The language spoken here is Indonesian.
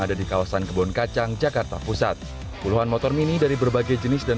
ada di kawasan kebon kacang jakarta pusat puluhan motor mini dari berbagai jenis dan